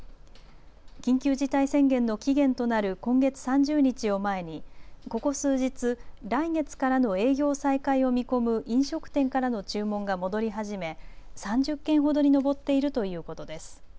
緊急事態宣言の期限となる今月３０日を前に、ここ数日、来月からの営業再開を見込む飲食店からの注文が戻り始め３０件ほどに上っているということです。